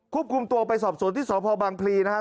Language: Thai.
คุมตัวไปสอบสวนที่สพบังพลีนะครับ